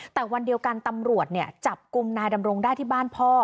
แต่วันเดียวกันตำรวจจับกลุ่มนายดำรงได้ที่บ้านพ่อ